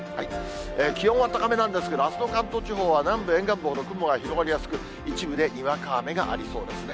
気温は高めなんですけど、あすの関東地方は南部、沿岸部ほど雲が広がりやすく、一部でにわか雨がありそうですね。